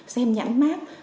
xem nhãn mát